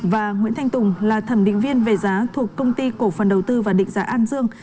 và nguyễn thanh tùng là thẩm định viên về giá thuộc công ty cổ phần đầu tư và định giá an dương